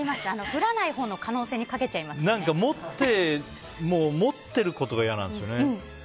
降らないほうの可能性に持ってることが嫌なんですよね。